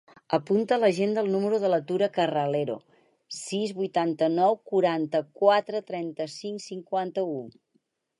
Apunta a l'agenda el número de la Tura Carralero: sis, vuitanta-nou, quaranta-quatre, trenta-cinc, cinquanta-u.